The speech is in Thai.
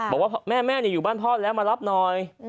บอกว่าแม่อยู่บ้านพ่อแล้วมารับหน่อย